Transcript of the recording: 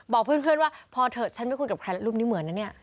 บอกเพื่อนว่าพอเถอะฉันไม่คุยกับใครรูปนี้เหมือนนะเนี่ย